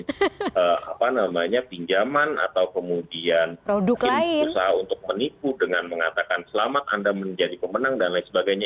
jadi apa namanya pinjaman atau kemudian usaha untuk menipu dengan mengatakan selamat anda menjadi pemenang dan lain sebagainya